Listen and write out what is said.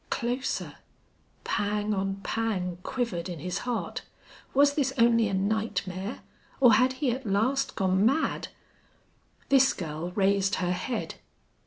Closer! Pang on pang quivered in his heart. Was this only a nightmare? Or had he at last gone mad! This girl raised her head.